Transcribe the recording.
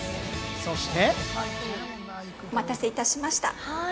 そして。